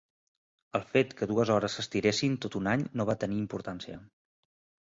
El fet que dues hores s'estiressin tot un any no va tenir importància.